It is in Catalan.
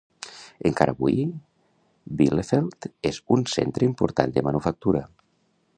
Encara avui, Bielefeld és un centre important de manufactura.